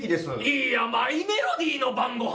「いやマイメロディの晩ご飯！」